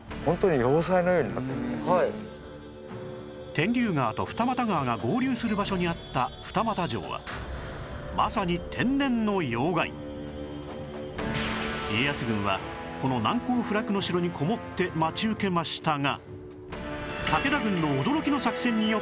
天竜川と二俣川が合流する場所にあった二俣城はまさに家康軍はこの難攻不落の城にこもって待ち受けましたが